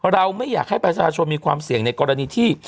เราไม่อยากให้ประชาชนมีความเสี่ยงในกรณีที่